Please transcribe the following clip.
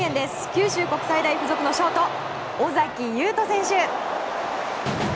九州国際大付属のショート尾崎悠斗選手！